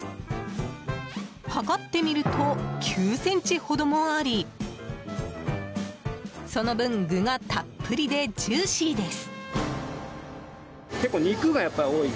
測ってみると、９ｃｍほどもありその分、具がたっぷりでジューシーです！